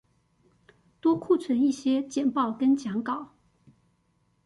多庫存一些簡報跟講稿